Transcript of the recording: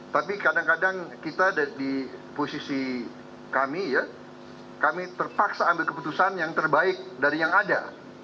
tapi kadang kadang kita di posisi kami ya kami terpaksa ambil keputusan yang terbaik dari yang ada